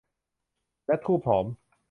และธูปหอม